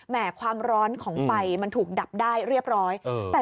ความร้อนของไฟมันถูกดับได้เรียบร้อย